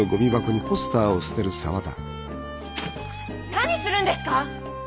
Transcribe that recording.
何するんですか！